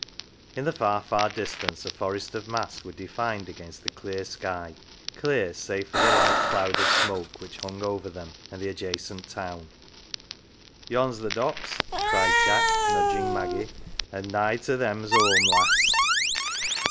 In the far, far distance a forest of masts were defined against the clear sky clear, save for the light cloud of smoke which hung over them and the adjacent town. " Yon^s the docks," cried Jack, nudging Maggie ;" and nigh to them's home, lass